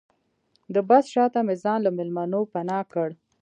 د بس شاته مې ځان له مېلمنو پناه کړ.